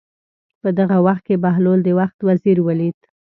په دغه وخت کې بهلول د وخت وزیر ولید.